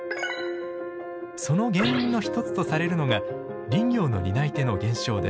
その原因の一つとされるのが林業の担い手の減少です。